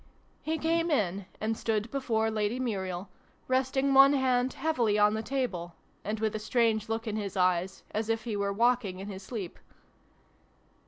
He came in, and stood before Lady Muriel, resting one hand heavily on the table, and with a strange look in his eyes, as if he were walking in his sleep.